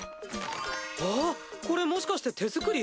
わぁこれもしかして手作り？